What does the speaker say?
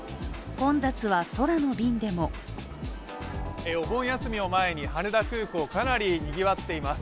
混雑は空の便でもお盆休みを前に羽田空港、かなりにぎわっています。